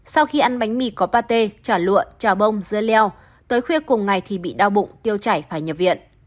sau khi ăn bánh mì có pa tả lụa trà bông dưa leo tới khuya cùng ngày thì bị đau bụng tiêu chảy phải nhập viện